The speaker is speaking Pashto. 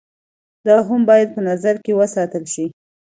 دا هم بايد په نظر کښې وساتلے شي